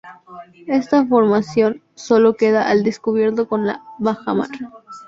Esta formación sólo queda al descubierto con la bajamar.